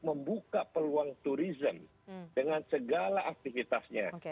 membuka peluang turisme dengan segala aktivitasnya